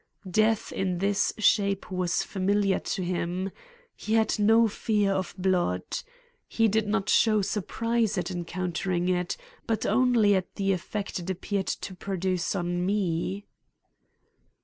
Death in this shape was familiar to him. He had no fear of blood. He did not show surprise at encountering it, but only at the effect it appeared to produce on me.